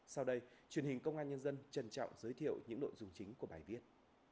sau đây truyền hình công an nhân dân trân trọng giới thiệu những nội dung chính của bài viết